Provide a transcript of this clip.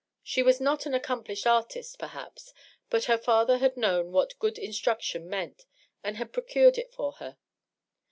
She was not an accomplished artist, perhaps, but her father had known what good instruction meant, and had procured it for her.